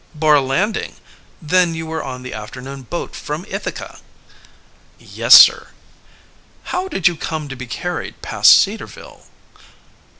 "Bar Landing? Then you were on the afternoon boat from Ithaca?" "Yes, sir." "How did you come to be carried past Cedarville?"